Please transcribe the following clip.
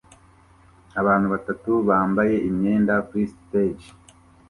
abantu batatu bambaye imyenda kuri stage